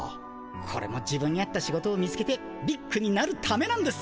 これも自分に合った仕事を見つけてビッグになるためなんです。